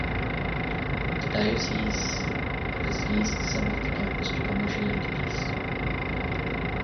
The diocese has leased some of the campus to commercial entities.